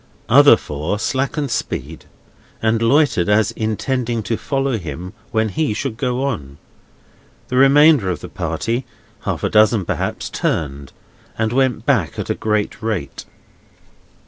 Other four slackened speed, and loitered as intending to follow him when he should go on. The remainder of the party (half a dozen perhaps) turned, and went back at a great rate.